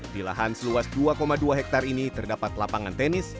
di lahan seluas dua dua hektare ini terdapat lapangan tenis